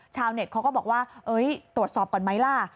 เน็ตเขาก็บอกว่าตรวจสอบก่อนไหมล่ะ